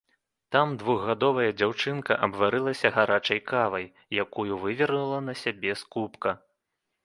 Там двухгадовая дзяўчынка абварылася гарачай кавай, якую вывернула на сябе з кубка.